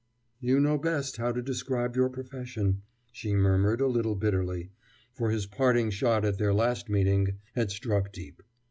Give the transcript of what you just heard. "You know best how to describe your profession," she murmured a little bitterly, for his parting shot at their last meeting had struck deep.